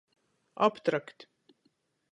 Aptrakt.